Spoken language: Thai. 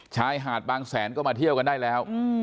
ชายหาดบางแสนก็มาเที่ยวกันได้แล้ว